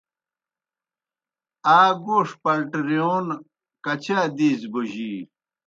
آ گوݜ پلٹِرِیون کچا دیزیْ بوجِی؟